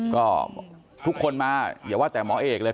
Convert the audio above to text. ก็ทุกคนมาอย่าว่าแต่หมอเอกเลย